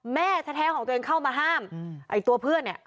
แม่แท้ของตัวเองเข้ามาห้ามไอ้ตัวเพื่อนเนี่ย